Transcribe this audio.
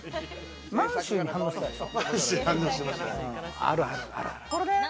満洲に反応してたでしょ。